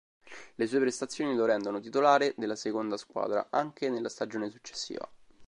Le sue prestazioni lo rendono titolare della seconda squadra, anche nella stagione successiva.